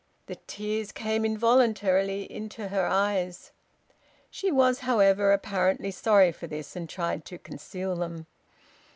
The tears came involuntarily into her eyes. She was, however, apparently sorry for this, and tried to conceal them.